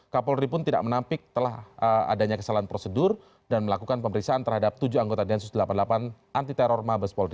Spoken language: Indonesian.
kapolri pun tidak menampik telah adanya kesalahan prosedur dan melakukan pemeriksaan terhadap tujuh anggota densus delapan puluh delapan anti teror mabes polri